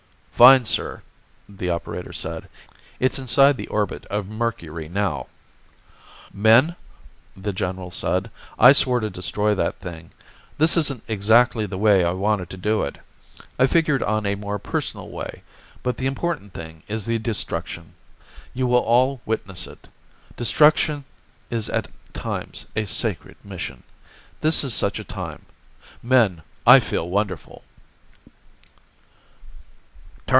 "Fine, sir," the operator said. "It's inside the orbit of Mercury now." "Men," the general said, "I swore to destroy that thing. This isn't exactly the way I wanted to do it. I figured on a more personal way. But the important thing is the destruction. You will all witness it. Destruction is at times a sacred mission. This is such a time. Men, I feel wonderful."